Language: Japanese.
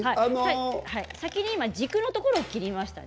先に軸のところを切りましたね。